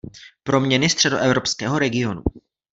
Proměny středoevropského regionu.